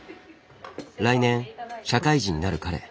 来年社会人になる彼。